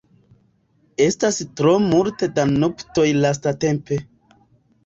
Estas tro multe da nuptoj lastatempe.